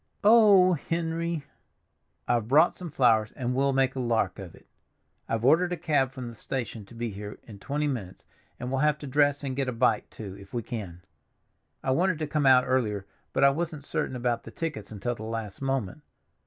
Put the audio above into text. "Oh, Henry!" "I've brought some flowers, and we'll make a lark of it. I've ordered a cab from the station to be here in twenty minutes, and we'll have to dress and get a bite, too, if we can. I wanted to come out earlier, but I wasn't certain about the tickets until the last moment.